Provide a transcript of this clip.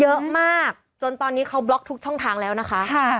เยอะมากจนตอนนี้เขาบล็อกทุกช่องทางแล้วนะคะ